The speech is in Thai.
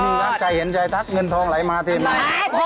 รักใจเห็นใจทักเงินทองไหลมาเต็มไหม